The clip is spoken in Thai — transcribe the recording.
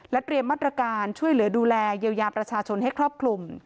เตรียมมาตรการช่วยเหลือดูแลเยียวยาประชาชนให้ครอบคลุม